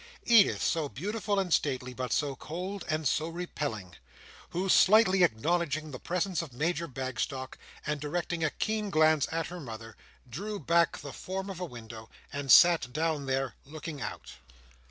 Edith, so beautiful and stately, but so cold and so repelling. Who, slightly acknowledging the presence of Major Bagstock, and directing a keen glance at her mother, drew back from a window, and sat down there, looking out.